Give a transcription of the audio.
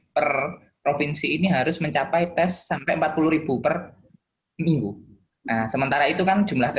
per provinsi ini harus mencapai tes sampai empat puluh per minggu sementara itu kan jumlah